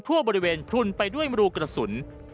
ทั่วบริเวณพลุนไปด้วยรูกระสุน